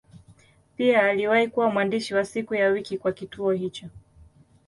Pia aliwahi kuwa mwandishi wa siku ya wiki kwa kituo hicho.